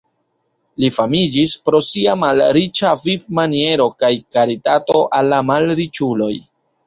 Li famiĝis pro sia malriĉa vivmaniero kaj karitato al la malriĉuloj.